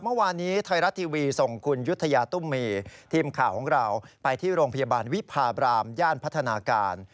เมื่อวานนี้ไทยรัฐทีวีส่งคุณยุธยาตุ้มมีทีมข่าวของเราไปที่โรงพยาบาลวิพาบรามย่านพัฒนาการ